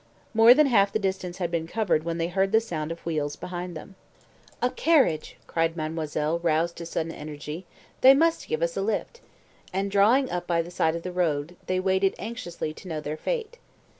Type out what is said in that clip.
More than half the distance had been covered when they heard the sound of wheels behind them. "A carriage!" cried mademoiselle, roused to sudden energy, "they must give us a lift," and drawing up by the side of the road, they waited anxiously to know their fate.